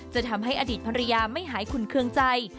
จะทำให้อดีตภรรยาไม่หายขุนเครื่องใจ